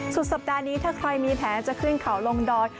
สุดสัปดาห์นี้ถ้าใครมีแผนจะขึ้นเขาลงดอย